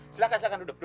silahkan silahkan duduk